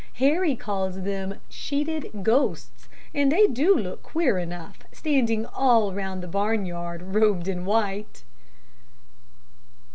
Harry calls them 'sheeted ghosts,' and they do look queer enough standing all round the barnyard robed in white."